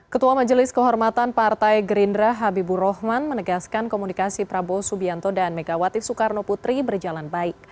ketua majelis kehormatan partai gerindra habibur rahman menegaskan komunikasi prabowo subianto dan megawati soekarno putri berjalan baik